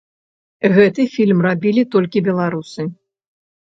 Гэты фільм рабілі толькі беларусы.